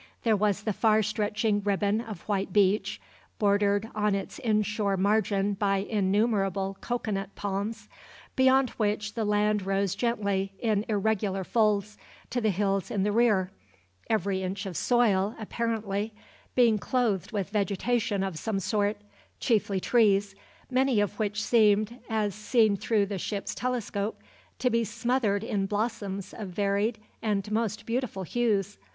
There was the far stretching ribbon of white beach, bordered on its inshore margin by innumerable cocoa nut palms, beyond which the land rose gently, in irregular folds, to the hills in the rear, every inch of soil, apparently, being clothed with vegetation of some sort, chiefly trees, many of which seemed as seen through the ship's telescope to be smothered in blossoms of varied and most beautiful hues.